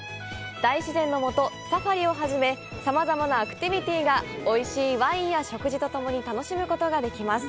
大自然のもと、サファリを初めさまざまなアクティビティがおいしいワインや食事と共に楽しむことができます。